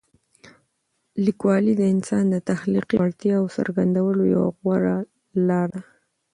لیکوالی د انسان د تخلیقي وړتیاوو څرګندولو یوه غوره لاره ده.